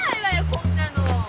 こんなの！